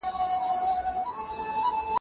دولتي واک نسي کېدای بې له مبارزې ترلاسه سي.